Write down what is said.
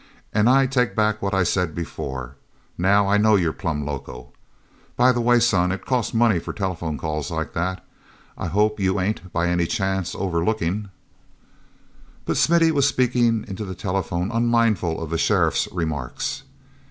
"And I take back what I said before—now I know you're plumb loco. By the way, son, it costs money for telephone calls like that. I hope you ain't, by any chance, overlookin'—" But Smithy was speaking into the telephone unmindful of the sheriff's remarks.